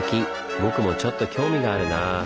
僕もちょっと興味があるなぁ。